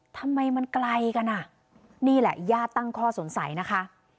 ทำไมมันไกลกันอ่ะนี่แหละญาติตั้งข้อสงสัยนะคะ